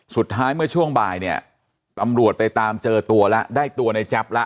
สุดท้ายเมื่อช่วงบ่ายเนี่ยตำรวจไปตามเจอตัวแล้วได้ตัวในแจ๊บแล้ว